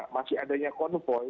masih adanya konvoy